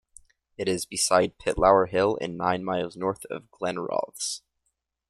It is beside Pitlour Hill and nine miles north of Glenrothes.